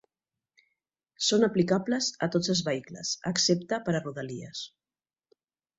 Són aplicables a tots els vehicles, excepte per a Rodalies.